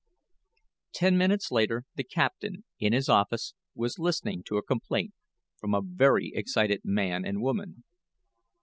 Ten minutes later, the captain, in his office, was listening to a complaint from a very excited man and woman.